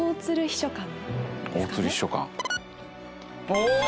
お！